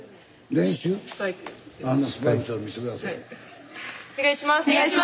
練習？お願いします！